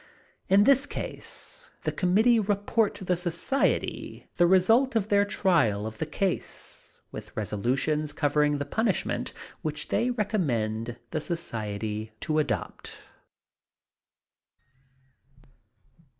In this case the committee report to the society the result of their trial of the case, with resolutions covering the punishment which they recommend the society to adopt.